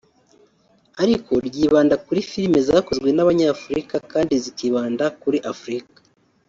ariko ryibanda kuri filime zakozwe n’Abanyafurika kandi zikibanda kuri Afurika